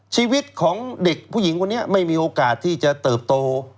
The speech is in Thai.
ชีวิตของเด็กผู้หญิงคนนี้ไม่มีโอกาสที่จะเติบโต